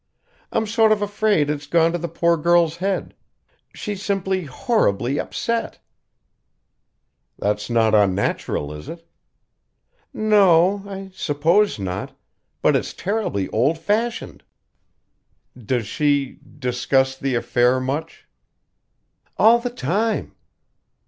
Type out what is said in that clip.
I'm sort of afraid it's gone to the poor girl's head. She's simply horribly upset!" "That's not unnatural, is it?" "No o, I suppose not; but it's terribly old fashioned." "Does she discuss the affair much?" "All the time."